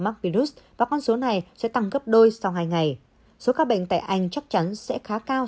mắc virus và con số này sẽ tăng gấp đôi sau hai ngày số ca bệnh tại anh chắc chắn sẽ khá cao